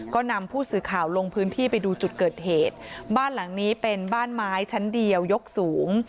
ก็นำผู้สื่อข่าวลงพื้นที่ไปดูจุดเกิดเหตุบ้านหลังนี้เป็นบ้านไม้ชั้นเดียวยกสูง